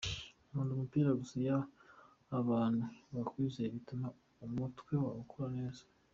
Nkunda umupira gusa iyo abantu bakwizeye bituma umutwe wawe ukora neza.